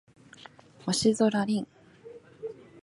星空凛